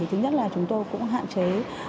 thứ nhất là chúng tôi cũng hạn chế